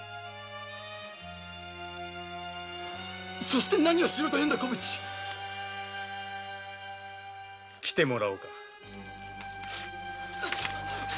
そして何をしろと言うんだ小淵！来てもらおうか。